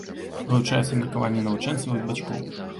Вывучаецца меркаванне навучэнцаў і бацькоў.